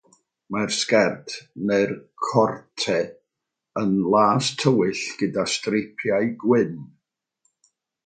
Mae'r sgert, neu'r "corte", yn las tywyll gyda streipiau gwyn.